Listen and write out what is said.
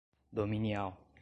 dominial